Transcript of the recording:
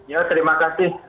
ya terima kasih